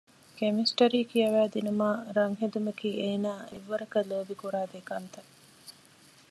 ކެމިސްޓަރީ ކިޔަވައިދިނުމާއި ރަންހެދުމަކީ އޭނާ އެއްވަރަކަށް ލޯބިކުރާ ދެކަންތައް